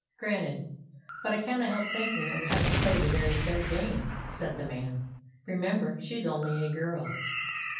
"Granted. But I cannot help thinking that we haven't played a very fair game," said the man. "Remember, she's only a girl."